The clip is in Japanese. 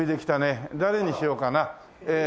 誰にしようかなええ。